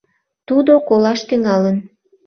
«Тудо колаш тӱҥалын».